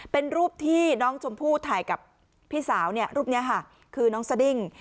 เป็นรูปที่น้องชมพู่ถ่ายกับพี่สาวรูปนี้ค่ะคือน้องสดิ้ง